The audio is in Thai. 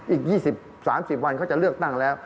อีก๒๐๓๐วันเขาจะเลือกตั้งแล้ว